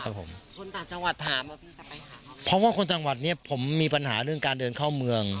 คนต่างจังหวัดถามว่าพี่จะไปถามเพราะว่าคนจังหวัดเนี้ยผมมีปัญหาเรื่องการเดินเข้าเมือง